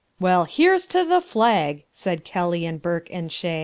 "Well, here's to the flag!" Said Kelly and Burke and Shea.